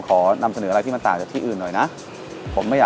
เขาก็โทรมา